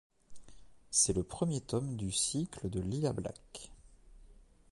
C'est le premier tome du cycle de Lila Black.